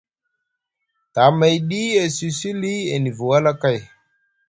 Tamayɗi e cusi li e nivi wala kay.